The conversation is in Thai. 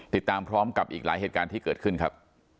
ติดตามพร้อมกับอีกหลายเหตุการณ์ที่เกิดขึ้นครับ